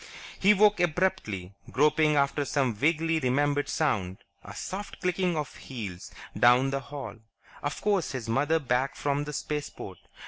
He woke abruptly, groping after some vaguely remembered sound. A soft clicking of heels down the hall.... Of course, his mother back from the Spaceport!